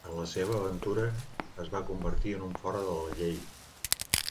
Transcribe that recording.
En la seua aventura, es va convertir en un fora de la llei.